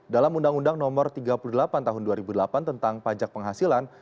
dalam undang undang nomor tiga puluh delapan tahun dua ribu delapan tentang pajak penghasilan